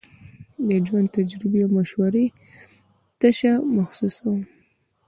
د ژوند تجربې او مشورې تشه محسوسوم.